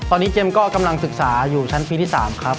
ตอนนี้เจมส์ก็กำลังศึกษาอยู่ชั้นปีที่๓ครับ